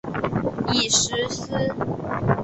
已实施。